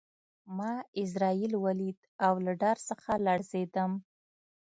ما عزرائیل ولید او له ډار څخه لړزېدم